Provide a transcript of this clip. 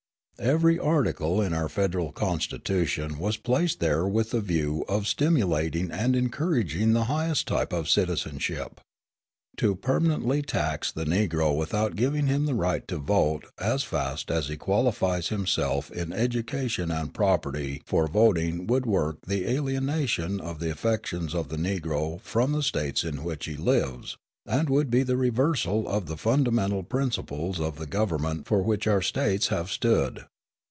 Every article in our federal Constitution was placed there with a view of stimulating and encouraging the highest type of citizenship. To permanently tax the Negro without giving him the right to vote as fast as he qualifies himself in education and property for voting would work the alienation of the affections of the Negro from the States in which he lives, and would be the reversal of the fundamental principles of government for which our States have stood.